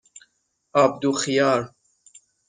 آبدوغ خیار